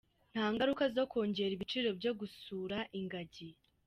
Nta ngaruka zo kongera ibiciro byo gusura ingagi.